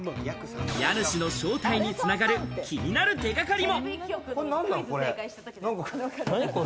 家主の正体に繋がる気になる手掛かりも。